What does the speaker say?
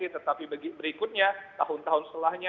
tetapi berikutnya tahun tahun setelahnya